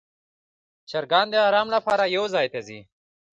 چرګان د آرام لپاره یو ځای ته ځي.